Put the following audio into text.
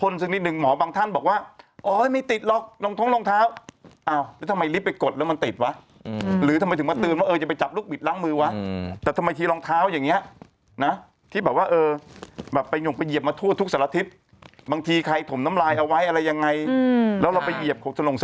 เนี้ยทางไว้ก่อนรายมือฉันไม่เหลือแล้วมือแห้งเลยว่านั้นจะ